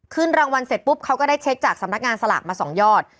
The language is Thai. รางวัลเสร็จปุ๊บเขาก็ได้เช็คจากสำนักงานสลากมา๒ยอด